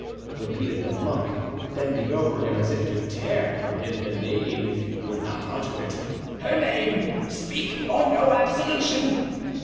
repeated the monk, bending over him as if to tear from him the name if he would not utter it; "her name! Speak, or no absolution!"